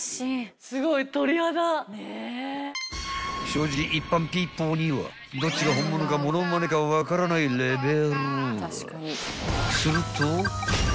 ［正直一般ピーポーにはどっちが本物かものまねか分からないレベル］